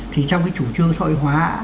thì trong cái chủ trương sợi hóa